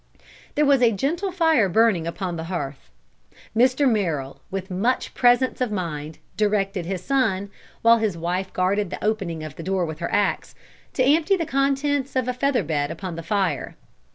There was a gentle fire burning upon the hearth. Mr. Merrill, with much presence of mind, directed his son, while his wife guarded the opening of the door with her ax, to empty the contents of a feather bed upon the fire.